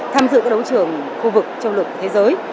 tham dự các đấu trường khu vực châu lục thế giới